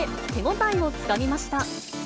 手応えをつかみました。